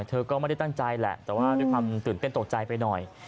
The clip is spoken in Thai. เธอก็ไม่ได้ตั้งใจแหละแต่ว่าด้วยความตื่นเต้นตกใจไปหน่อย